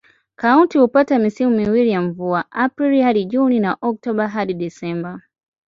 Kaunti hupata misimu miwili ya mvua: Aprili hadi Juni na Oktoba hadi Disemba.